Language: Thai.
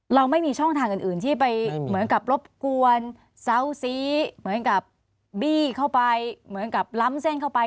เราไม่มีช่องทางอื่นที่ไปเหมือนกับรบกวนเซาซีเหมือนกับบี้เข้าไปเหมือนกับล้ำเส้นเข้าไป